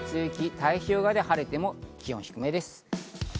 太平洋側で晴れても気温は低めです。